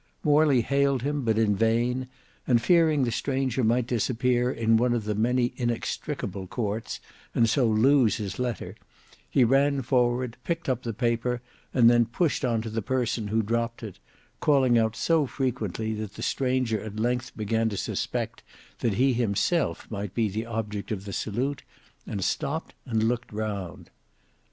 Morley hailed him, but in vain; and fearing the stranger might disappear in one of the many inextricable courts, and so lose his letter, he ran forward, picked up the paper, and then pushed on to the person who dropped it, calling out so frequently that the stranger at length began to suspect that he himself might be the object of the salute, and stopped and looked round.